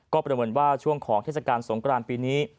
ก็ประเมินว่าช่วงของเทศกาลสงกรานปีนี้